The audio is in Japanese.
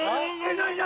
何何？